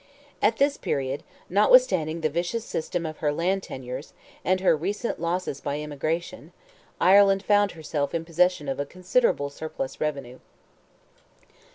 At this period, notwithstanding the vicious system of her land tenures, and her recent losses by emigration, Ireland found herself in possession of a considerable surplus revenue.